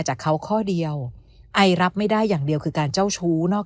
จากเขาข้อเดียวไอรับไม่ได้อย่างเดียวคือการเจ้าชู้นอก